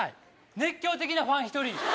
熱狂的なファン１人。